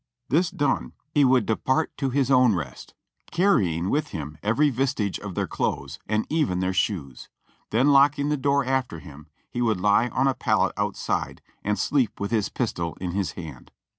This done, he would depart to his own rest, car 29 450 JOHXXV REB AXD BlLLvY YANK r3"ing" with him every vestige of their clothes and even their shoes ; then locking the door after him, he w^oiild lie on a pallet outside and sleep with his pistol in his hand.